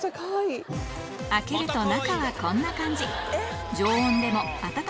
開けると中はこんな感じ